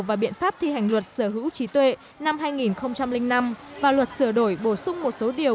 và biện pháp thi hành luật sở hữu trí tuệ năm hai nghìn năm và luật sửa đổi bổ sung một số điều